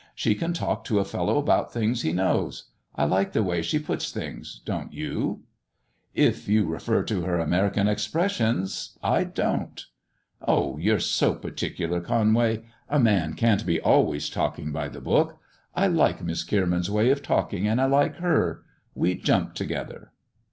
" She can talk to a fellow about things he knows. I like the way she puts things ; don't you ]"" If you refer to her American expressions, I don't." " Oh ! you're so particular, Conway. A man can't be always talking by the book. I like Miss Kierman' s way of talking, and I like her. We jump together."